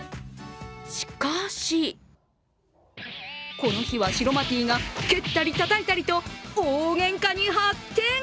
しかし、この日はシロマティーが蹴ったりたたいたりと、大げんかに発展。